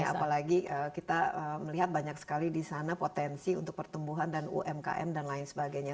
apalagi kita melihat banyak sekali di sana potensi untuk pertumbuhan dan umkm dan lain sebagainya